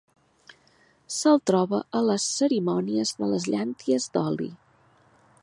Se'l troba a les cerimònies de les llànties d'oli.